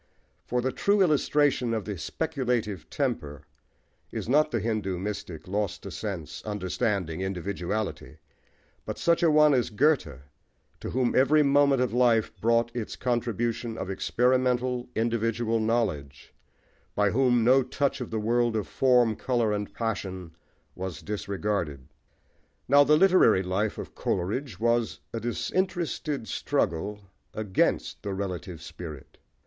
For the true illustration of the speculative temper is not the Hindoo mystic, lost to sense, understanding, individuality, but one such as Goethe, to whom every moment of life brought its contribution of experimental, individual knowledge; by whom no touch of the world of form, colour, and passion was disregarded. Now the literary life of Coleridge was a disinterested struggle against the relative spirit.